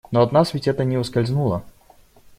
Но от нас ведь это не ускользнуло.